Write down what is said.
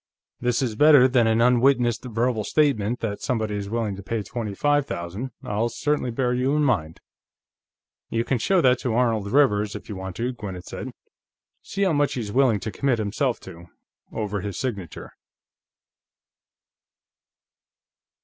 "This is better than an unwitnessed verbal statement that somebody is willing to pay twenty five thousand. I'll certainly bear you in mind." "You can show that to Arnold Rivers, if you want to," Gwinnett said. "See how much he's willing to commit himself to, over his signature."